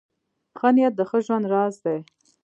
ښه نیت د ښه ژوند راز دی .